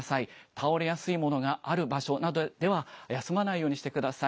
倒れやすいものがある場所などでは、休まないようにしてください。